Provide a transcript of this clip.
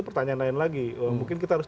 pertanyaan lain lagi mungkin kita harus